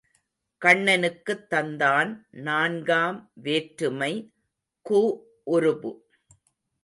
கண்ணனுக்குத் தந்தான் நான்காம் வேற்றுமை கு உருபு.